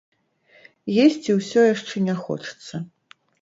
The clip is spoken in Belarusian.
Есці ўсё яшчэ не хочацца.